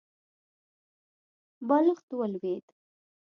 بالښت ولوېد.